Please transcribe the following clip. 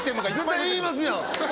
絶対言いますやん。